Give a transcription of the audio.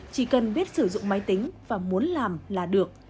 chỉ cần biết sử dụng máy tính và muốn làm là được